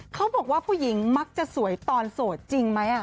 เขาบอกว่าผู้หญิงมักจะสวยตอนโสดจริงไหม